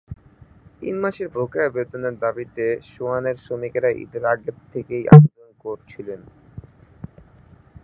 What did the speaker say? তিন মাসের বকেয়া বেতনের দাবিতে সোয়ানের শ্রমিকেরা ঈদের আগে থেকেই আন্দোলন করছিলেন।